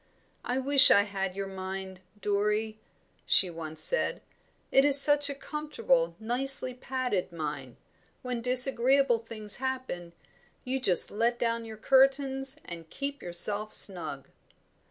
"I wish I had your mind, Dorrie," she said once. "It is such a comfortable, nicely padded mind. When disagreeable things happen, you just let down your curtains and keep yourself snug."